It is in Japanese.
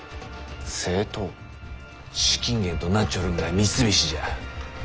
資金源となっちょるんが三菱じゃ。